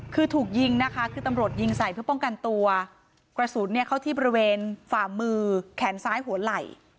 คือถูกยิงนะคะคือตำรวจยิงใส่เพื่อป้องกันตัวกระสุนเนี่ยเข้าที่บริเวณฝ่ามือแขนซ้ายหัวไหล่